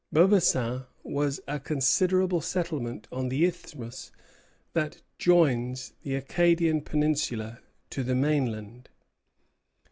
Beaubassin was a considerable settlement on the isthmus that joins the Acadian peninsula to the mainland.